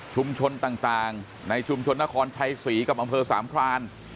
ต่างในชุมชนนครชัยศรีกับอำเภอสามพราน